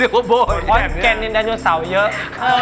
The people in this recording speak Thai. คอนแกนในดายโนเสาร์เยอะ